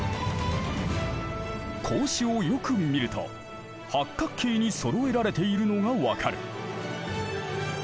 格子をよく見ると八角形にそろえられているのが分かる。